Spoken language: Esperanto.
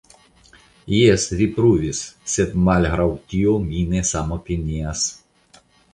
Jes, vi pruvis, sed malgraŭ tio mi ne samopinias.